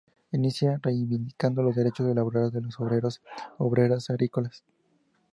Inicia reivindicando los derechos laborales de los obreros y obreras agrícolas.